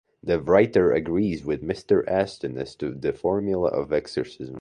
The writer agrees with Mr. Aston as to the formula of exorcism.